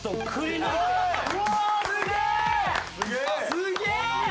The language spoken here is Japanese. すげえ！